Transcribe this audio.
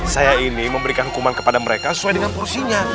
saya ini memberikan hukuman kepada mereka sesuai dengan porsinya